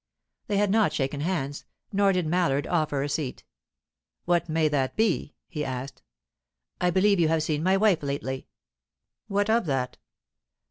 They had not shaken hands, nor did Mallard offer a seat. "What may that be?" he asked. "I believe you have seen my wife lately?" "What of that?"